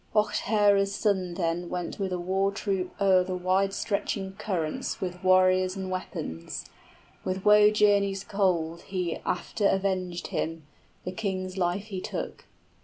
Ohthere's son then Went with a war troop o'er the wide stretching currents 5 With warriors and weapons: with woe journeys cold he After avenged him, the king's life he took.